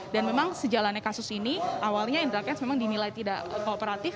dan memang sejalannya kasus ini awalnya indra kents memang dimilai tidak kooperatif